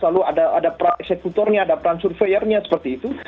lalu ada pra eksekutornya ada pra surveyornya seperti itu